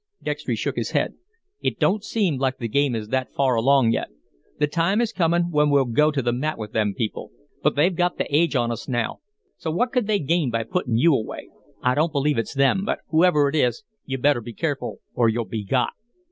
Dextry shook his head. "It don't seem like the game is that far along yet. The time is coming when we'll go to the mat with them people, but they've got the aige on us now, so what could they gain by putting you away? I don't believe it's them, but whoever it is, you'd better be careful or you'll be got."